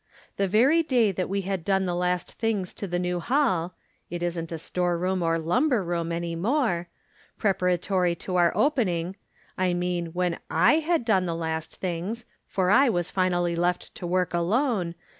The very day that we had done the last things to the new hall (it isn't a store room or lumber room anymore) preparatory to our opening — I mean when I had done the last things, for I was finally left to work alone.